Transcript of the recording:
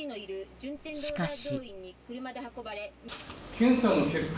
しかし。